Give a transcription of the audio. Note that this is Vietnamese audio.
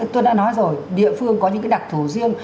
tôi đã nói rồi địa phương có những đặc thù riêng